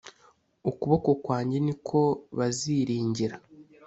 ukuboko kwanjye ni ko baziringira